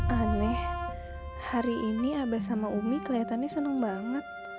aneh hari ini abah sama umi kelihatannya senang banget